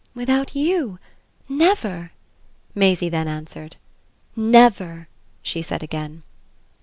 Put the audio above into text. "Without you? Never," Maisie then answered. "Never," she said again.